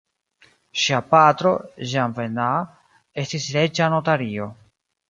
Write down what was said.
Ŝia patro, Jean Bernard, estis reĝa notario.